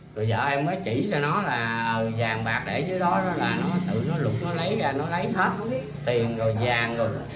rồi vợ em mới chỉ cho nó là vàng bạc để dưới đó là nó tự nó lục nó lấy ra nó lấy hết tiền rồi vàng rồi